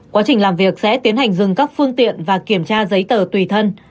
quá trình làm việc sẽ tiến hành dừng các phương tiện và kiểm tra giấy tờ tùy thân